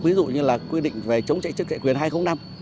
ví dụ như là quy định về chống chạy chức chạy quyền hai trăm linh năm